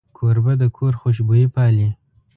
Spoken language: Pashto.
کوربه د کور خوشبويي پالي.